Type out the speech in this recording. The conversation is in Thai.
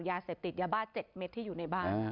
ยาเสพติดยาบาด๗เม็ดที่อยู่ในบ้าน